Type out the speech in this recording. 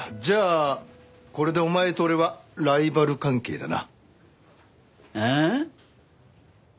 じゃあこれでお前と俺はライバル関係だな。